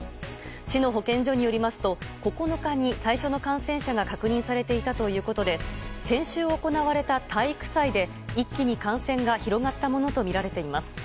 市の保健所によりますと９日に最初の感染者が確認されていたということで先週行われた体育祭で一気に感染が広がったものとみられています。